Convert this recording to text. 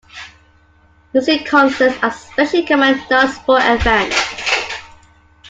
Music concerts are especially common non-sport events.